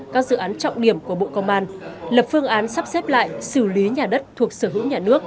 các dự án trọng điểm của bộ công an lập phương án sắp xếp lại xử lý nhà đất thuộc sở hữu nhà nước